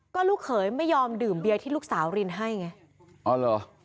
ก็ลูกเขยไม่ยอมดื่มเบียร์ที่ลูกสาวรินให้ไงอ๋อเหรอ